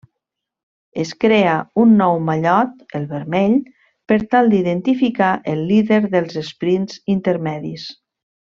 Es crea un nou mallot, el vermell, per tal d'identificar el líder dels esprints intermedis.